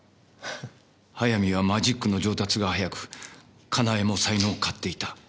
早見はマジックの上達が早く家内も才能を買っていた。